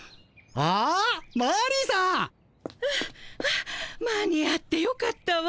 はあはあ間に合ってよかったわ。